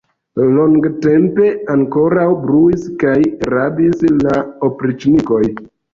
Longtempe ankoraŭ bruis kaj rabis la opriĉnikoj.